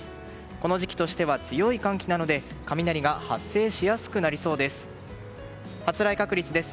この時期としては強い寒気なので雷が発生しやすくなりそうです。